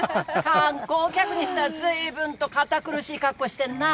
観光客にしてはずいぶんと堅苦しい格好してんなぁ。